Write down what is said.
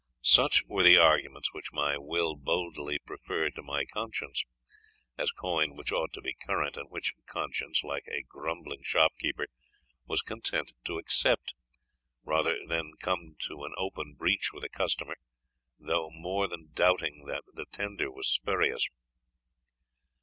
Such were the arguments which my will boldly preferred to my conscience, as coin which ought to be current, and which conscience, like a grumbling shopkeeper, was contented to accept, rather than come to an open breach with a customer, though more than doubting that the tender was spurious.